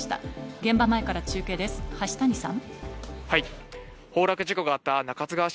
現場前から中継です、端谷さん。